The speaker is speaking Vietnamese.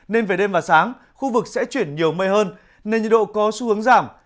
nên về đêm và sáng khu vực sẽ chuyển nhiều mây hơn nên nhiệt độ có xu hướng giảm